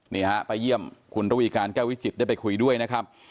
นี่ฮะไปเยี่ยมคุณระวีการแก้ววิจิตได้ไปคุยด้วยนะครับ